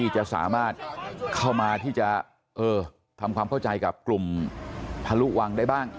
จะสามารถเข้ามาที่จะทำความเข้าใจกับกลุ่มทะลุวังได้บ้าง